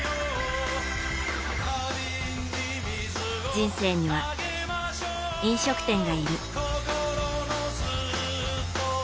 人生には、飲食店がいる。